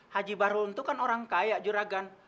haji barun tuh kan orang kaya juragan